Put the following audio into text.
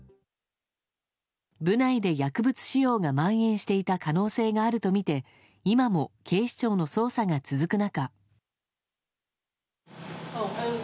部内で薬物使用がまん延していた可能性があるとみて今も警視庁の捜査が続く中。